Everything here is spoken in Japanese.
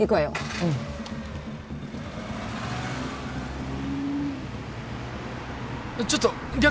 うんちょっと逆逆！